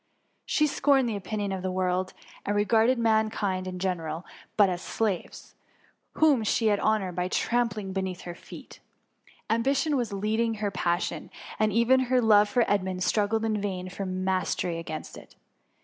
She scorned the opinion of the world, and regarded man kind in general but as slaves, whom she should honour by trampling beneath her feet. Am«> bition was her leading passion, and even her love for Edmund struggled in vain for mas tery against it.